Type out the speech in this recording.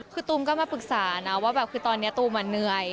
คือตูมก็มาปรึกษานะว่าแบบคือตอนนี้ตูมเหนื่อย